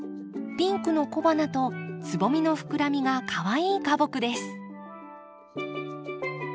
ピンクの小花とつぼみの膨らみがかわいい花木です。